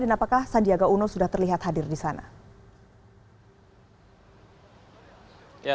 dan apakah sandiaga uno sudah terlihat hadir di sana